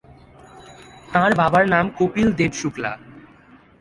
তাঁর বাবার নাম কপিল দেব শুক্লা।